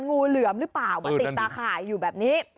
งูเหลือมหรือเปล่ามาติดตาข่ายอยู่แบบนี้